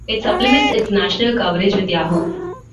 It supplements its national coverage with Yahoo!